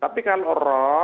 berbeda dengan banjir yang